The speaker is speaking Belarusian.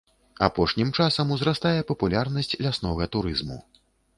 Апошнім часам узрастае папулярнасць ляснога турызму.